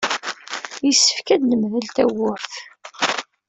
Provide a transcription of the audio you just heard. Yessefk ad nemdel tawwurt.